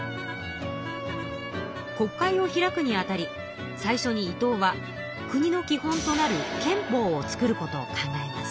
国会を開くにあたり最初に伊藤は国の基本となる憲法を作ることを考えます。